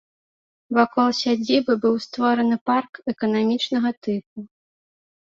Вакол сядзібы быў створаны парк эканамічнага тыпу.